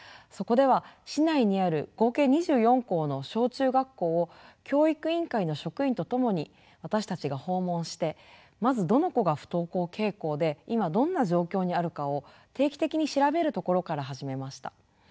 そこでは市内にある合計２４校の小中学校を教育委員会の職員と共に私たちが訪問してまずどの子が不登校傾向で今どんな状況にあるかを定期的に調べるところから始めました。